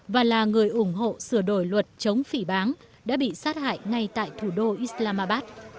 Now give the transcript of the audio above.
và là người ủng hộ sửa đổi luật chống phỉ bán đã giết thriet tại thủ đô islamabad